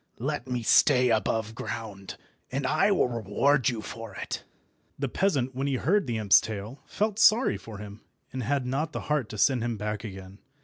Let me stay aboveground, and I will reward you for it." The peasant, when he heard the imp's tale, felt sorry for him, and had not the heart to send him back again.